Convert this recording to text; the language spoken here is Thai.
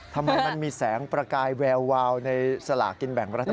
ทำไมมันมีแสงประกายแวววาวในสลากินแบ่งรัฐบาล